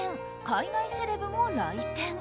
海外セレブも来店。